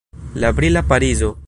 La brila Parizo.